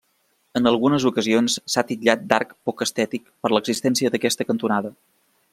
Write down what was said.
En algunes ocasions s'ha titllat d'arc poc estètic per l'existència d'aquesta cantonada.